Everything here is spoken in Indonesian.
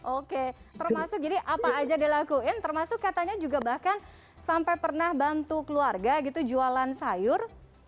oke termasuk jadi apa aja dilakuin termasuk katanya juga bahkan sampai pernah bantu keluarga gitu jualan sayur